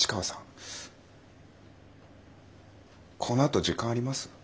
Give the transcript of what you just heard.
このあと時間あります？